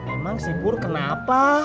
emang si pur kenapa